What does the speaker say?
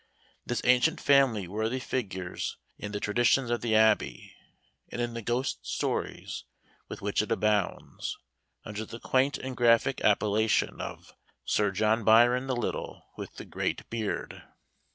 This ancient family worthy figures in the traditions of the Abbey, and in the ghost stories with which it abounds, under the quaint and graphic appellation of "Sir John Byron the Little, with the great Beard."